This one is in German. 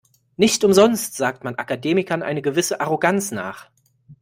Nicht umsonst sagt man Akademikern eine gewisse Arroganz nach.